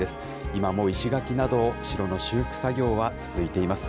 今も石垣など、お城の修復作業は続いています。